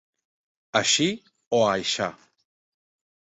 Així o aixà.